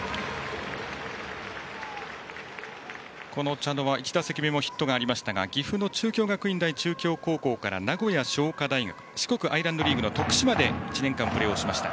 茶野は１打席目もヒットがありましたが岐阜の中京学院大中京高校から名古屋商科大学四国アイランドリーグの徳島で１年間プレーをしました。